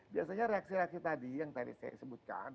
biasanya reaksi reaksi tadi yang tadi saya sebutkan